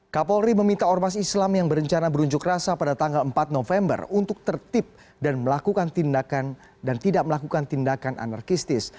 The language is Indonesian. kapolri meminta ormas islam yang berencana berunjuk rasa pada tanggal empat november untuk tertib dan melakukan tindakan dan tidak melakukan tindakan anarkistis